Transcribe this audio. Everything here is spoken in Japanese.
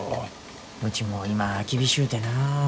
うちも今厳しゅうてな。